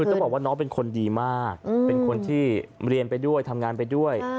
คือต้องบอกว่าน้องเป็นคนดีมากเป็นคนที่เรียนไปด้วยทำงานไปด้วย